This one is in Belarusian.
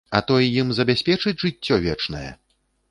А той ім забяспечыць жыццё вечнае?